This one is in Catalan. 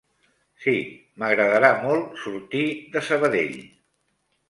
Sí, m'agradarà molt sortir de Sabadell.